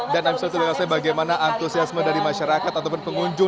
dan saya ingin menanyakan bagaimana antusiasme dari masyarakat atau pengunjung